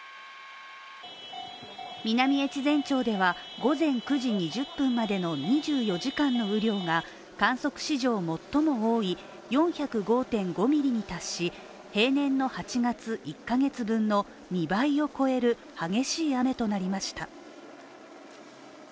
南越前町では午前９時２０分までの２４時間の雨量が観測史上最も多い、４０５．５ミリに達し平年の８月１カ月分の２倍を超える激しい雨となりました。